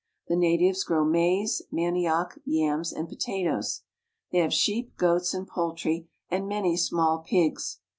The natives grow maize, manioc, yams, and potatoes. They have sheep, goats, and poultry, and many small pigs.